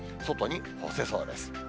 外に干せそうです。